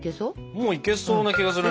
もういけそうな気がするな。